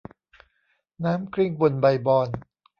น้ำกลิ้งบนใบบอน